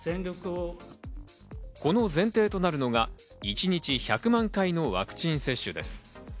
この前提となるのが一日１００万回のワクチン接種です。